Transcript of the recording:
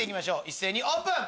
一斉にオープン！